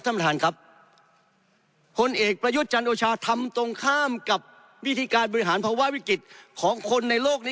ท่านประธานครับพลเอกประยุทธ์จันโอชาทำตรงข้ามกับวิธีการบริหารภาวะวิกฤตของคนในโลกนี้